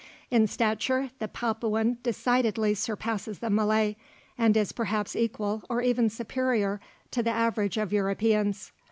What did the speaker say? In stature the Papuan decidedly surpasses the Malay, and is perhaps equal, or even superior, to the average of Europeans.